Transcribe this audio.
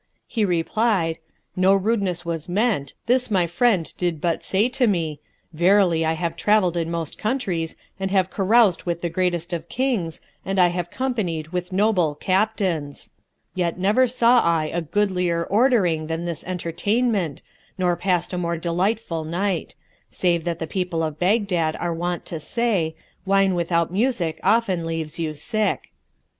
He replied, "No rudeness was meant: this my friend did but say to me, 'Verily I have travelled in most countries and have caroused with the greatest of Kings and I have companied with noble captains; yet never saw I a goodlier ordering than this entertainment nor passed a more delightful night; save that the people of Baghdad are wont to say, Wine without music often leaves you sick.'"